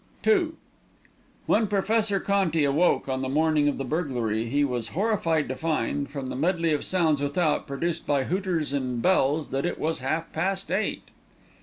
II When Professor Conti awoke on the morning of the burglary, he was horrified to find, from the medley of sounds without, produced by hooters and bells, that it was half past eight.